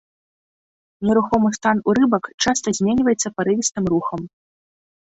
Нерухомы стан у рыбак часта зменьваецца парывістым рухам.